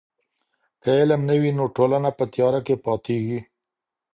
که علم نه وي نو ټولنه په تیاره کي پاتیږي.